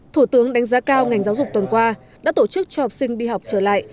thủ tướng đánh giá cao ngành giáo dục tuần qua đã tổ chức cho học sinh đi học trở lại